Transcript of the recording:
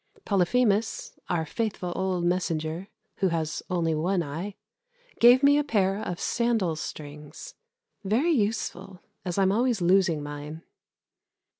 Polyphemus, our faithful old messenger (who has only one eye), gave me a pair of sandal strings. Very useful, as I'm always losing mine.